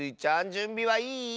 じゅんびはいい？